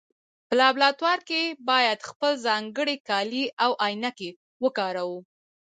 په لابراتوار کې باید تل ځانګړي کالي او عینکې وکاروو.